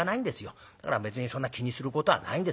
だから別にそんな気にすることはないんですけどね。